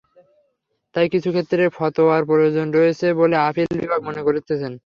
তাই কিছু ক্ষেত্রে ফতোয়ার প্রয়োজন রয়েছে বলে আপিল বিভাগ মনে করেছেন।